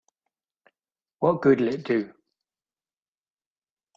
What good'll it do?